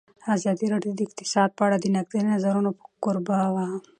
ازادي راډیو د اقتصاد په اړه د نقدي نظرونو کوربه وه.